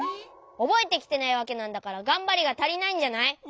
おぼえてきてないわけなんだからがんばりがたりないんじゃない？